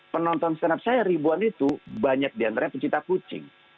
penonton standar saya ribuan itu banyak diantaranya pecinta kucing